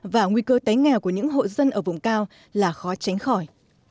và nguy cơ tái nghèo của những hộ dân ở vùng cao là khó tránh khỏi